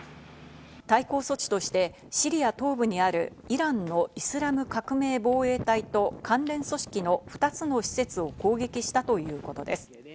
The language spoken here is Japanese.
対抗措置として、シリア東部にあるイランのイスラム革命防衛隊と関連組織の２つの施設を攻撃したということです。